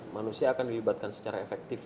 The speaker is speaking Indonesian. manusia akan dilibatkan secara efektif